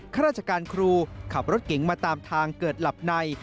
ข้าราชการครูขับรถเก๋งมาตามทางเกิดหลับใน